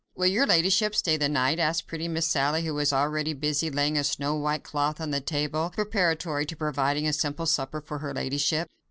"Will your ladyship stay the night?" asked pretty Miss Sally, who was already busy laying a snow white cloth on the table, preparatory to providing a simple supper for her ladyship.